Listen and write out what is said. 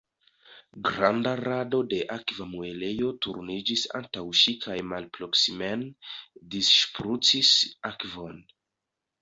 Granda rado de akva muelejo turniĝis antaŭ ŝi kaj malproksimen disŝprucis akvon.